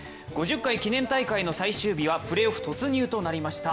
５０回記念大会の最終日はプレーオフ突入となりました。